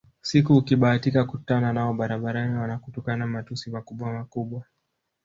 Siku ukibahatika kukutana nao barabarani wanatukana matusi makubwamakubwa